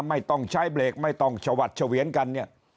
ไม่ต้องใช้เบรกไม่ต้องชวัดเฉวียนกันเนี่ย